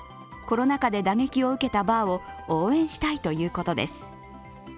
コロナ禍で打撃を受けたバーを応援したいということです。